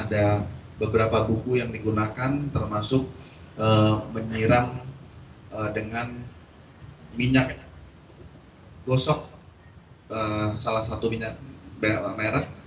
dari buku yang digunakan termasuk menyiram dengan minyak gosok salah satu minyak berapa merek